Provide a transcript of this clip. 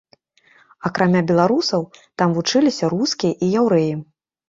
Акрамя беларусаў там вучыліся рускія і яўрэі.